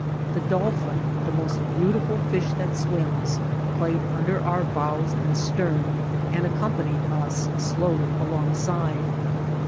The dolphin, the most beautiful fish that swims, played under our bows and stern, and accompanied us slowly alongside.